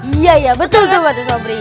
iya betul betul